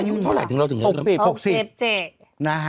สวัสดีมายุหรืออยู่เท่าไหร่๖๗